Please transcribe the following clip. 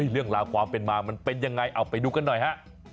เรื่องราวความเป็นมามันเป็นยังไงเอาไปดูกันหน่อยฮะ